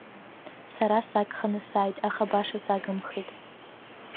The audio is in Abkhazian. Сара сагханы сааит, аха баша сагымхеит.